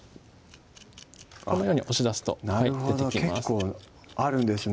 このように押し出すと出てきます